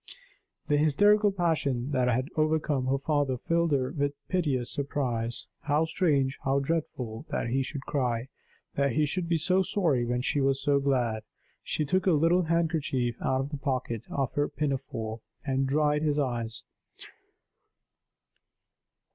The hysterical passion that had overcome her father filled her with piteous surprise. How strange, how dreadful that he should cry that he should be so sorry when she was so glad! She took her little handkerchief out of the pocket of her pinafore, and dried his eyes.